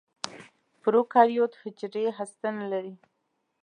پروکاریوت حجرې هسته نه لري.